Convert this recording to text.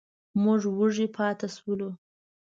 موږ وږي پاتې شولو.